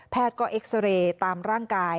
แพทย์ก็เอ็กซ์เรย์ตามร่างกาย